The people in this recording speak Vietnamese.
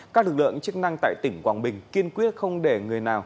các lực lượng chức năng tại tỉnh quảng bình kiên quyết không để người nào